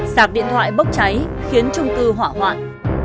sạt điện thoại bốc cháy khiến trung cư hỏa hoạn